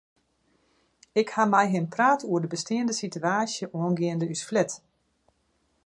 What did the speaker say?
Ik ha mei him praat oer de besteande sitewaasje oangeande ús flat.